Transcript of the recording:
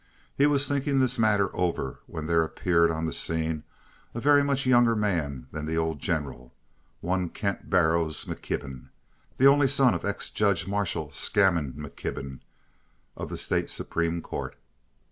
He was thinking this matter over when there appeared on the scene a very much younger man than the old General, one Kent Barrows McKibben, the only son of ex Judge Marshall Scammon McKibben, of the State Supreme Court.